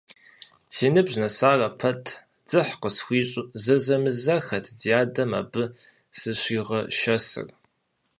Си ныбжь нэсарэ пэт, дзыхь къысхуищӀу, зэзэмызэххэт ди адэм абы сыщигъэшэсыр.